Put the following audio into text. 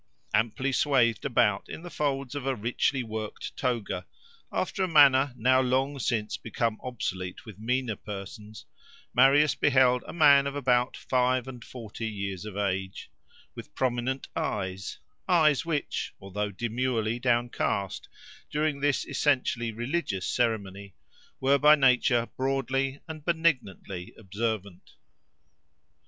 Amply swathed about in the folds of a richly worked toga, after a manner now long since become obsolete with meaner persons, Marius beheld a man of about five and forty years of age, with prominent eyes—eyes, which although demurely downcast during this essentially religious ceremony, were by nature broadly and benignantly observant.